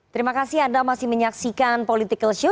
terima kasih anda masih menyaksikan political show